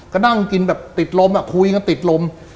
ก็นั่งกินติดล้มอะคุยกับติดล้ม